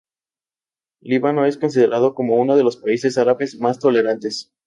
Líbano es considerado como uno de los países árabes más tolerantes.